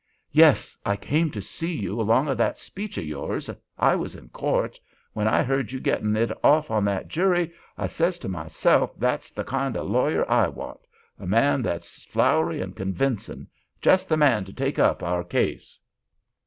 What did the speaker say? "Yes! I came to see you along o' that speech of yours. I was in court. When I heard you gettin' it off on that jury, I says to myself that's the kind o' lawyer I want. A man that's flowery and convincin'! Just the man to take up our case."